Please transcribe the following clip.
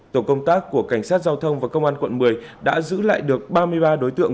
tổ công tác của cảnh sát giao thông và công an quận một mươi đã giữ lại được ba mươi ba đối tượng